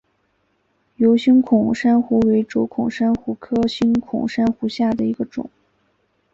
疣星孔珊瑚为轴孔珊瑚科星孔珊瑚下的一个种。